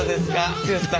剛さん。